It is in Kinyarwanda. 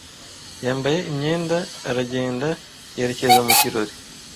Yambaye imyenda aragenda yerekeza mu kirori.